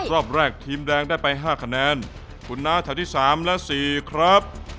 รอบแรกทีมแดงได้ไป๕คะแนนคุณน้าแถวที่๓และ๔ครับ